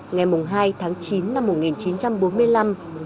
ngày hai tháng chín năm một nghìn chín trăm bốn mươi năm